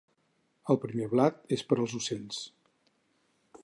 El primer blat és per als ocells.